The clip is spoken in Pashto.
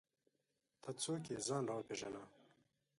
ته څوک یې ځان راوپېژنه!